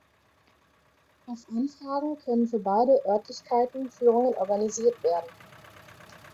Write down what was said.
Auf Anfrage können für beide Örtlichkeiten Führungen organisiert werden.